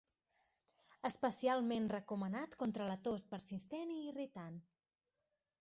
Especialment recomanat contra la tos persistent i irritant.